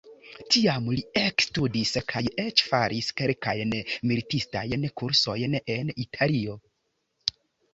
Tiam li ekstudis kaj eĉ faris kelkajn militistajn kursojn en Italio.